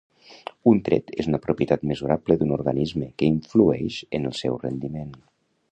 Un tret és una propietat mesurable d'un organisme que influeix en el seu rendiment.